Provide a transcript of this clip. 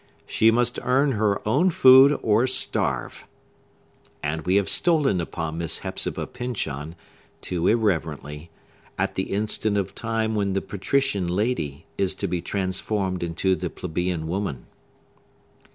She must earn her own food, or starve! And we have stolen upon Miss Hepzibah Pyncheon, too irreverently, at the instant of time when the patrician lady is to be transformed into the plebeian woman.